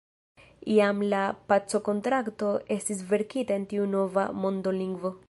Jam la pacokontrakto estis verkita en tiu nova mondolingvo.